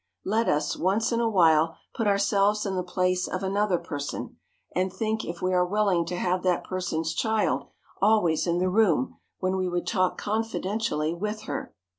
Let us, once in a while, put ourselves in the place of another person, and think if we are willing to have that person's child always in the room when we would talk confidentially with her.